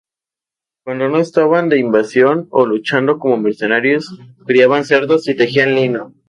Cuando no estaban de invasión o luchando como mercenarios, criaban cerdos y tejían lino.